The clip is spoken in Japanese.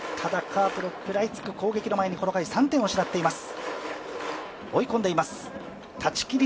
カープの食らいつく攻撃の前にこの回、３点を失っています。